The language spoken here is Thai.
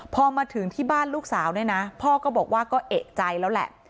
พอมาถึงที่บ้านลูกสาวเนี่ยนะพ่อก็บอกว่าก็เอกใจแล้วแหละ